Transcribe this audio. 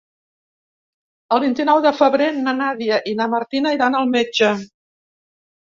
El vint-i-nou de febrer na Nàdia i na Martina iran al metge.